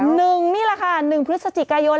หนึ่งนี่แหละค่ะหนึ่งพฤศจิกายน